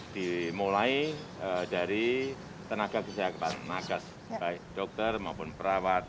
dimulai dari tenaga kesehatan nagas baik dokter maupun perawat